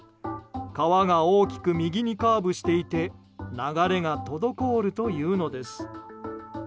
川が大きく右にカーブしていて流れが滞るというのです。